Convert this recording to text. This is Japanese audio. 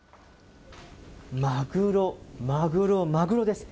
マグロ、マグロ、マグロです。